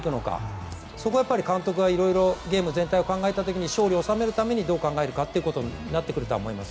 そこは監督がいろいろゲーム全体を考えた時に勝利を収めるためにどう考えるかとなってくると思います。